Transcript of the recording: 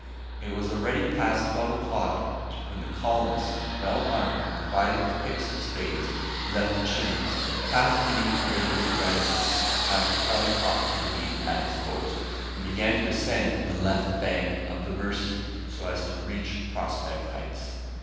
It was already past twelve o'clock when the colonists, well armed and provided with picks and spades, left the Chimneys, passed beneath the windows of Granite House, after telling Top to remain at his post, and began to ascend the left bank of the Mercy, so as to reach Prospect Heights.